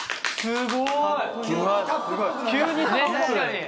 すごい！